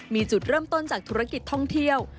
มีจุดเริ่มต้นจากธุรกิจท่องเที่ยว